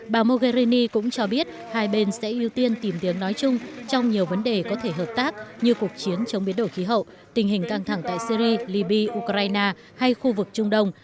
bà mogherini cũng cho biết hai bên sẽ ưu tiên tìm tiếng nói chung trong nhiều vấn đề có thể hợp tác như cuộc chiến chống biến đổi khí hậu tình hình căng thẳng tại syri libya ukraine hay khu vực trung đông